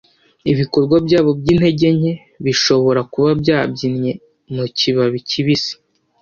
ibikorwa byabo byintege nke bishobora kuba byabyinnye mukibabi kibisi